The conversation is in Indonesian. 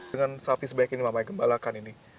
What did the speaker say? dengan sapi sebaik ini mama yang gembalakan ini